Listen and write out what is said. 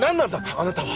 あなたは